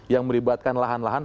yang meribatkan lahan lahan